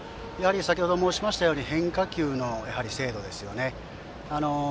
先程申しましたように変化球の精度ですよね。